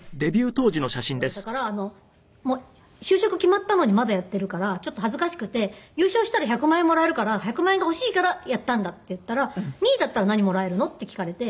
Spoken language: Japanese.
就職決まったのにまだやっているからちょっと恥ずかしくて「優勝したら１００万円もらえるから１００万円が欲しいからやったんだ」って言ったら「２位だったら何もらえるの？」って聞かれて。